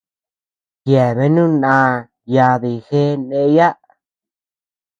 Yebeanu naa yaadi jeʼe ndeyaa.